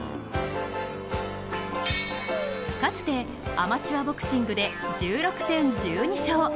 かつて、アマチュアボクシングで１６戦１２勝。